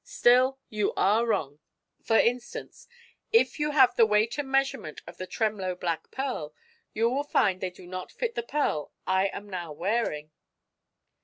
Still, you are wrong. For instance, if you have the weight and measurement of the Tremloe black pearl, you will find they do not fit the pearl I am now wearing."